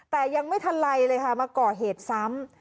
แต่ยังไม่ทันไรเลยค่ะมาก่อเหตุซ้ำ